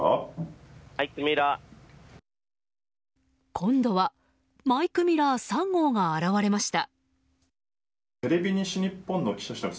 今度はマイク・ミラー３号が現れました。